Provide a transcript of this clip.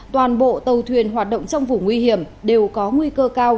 toàn bộ tàu thuyền hoạt động trong vùng nguy hiểm đều có nguy cơ cao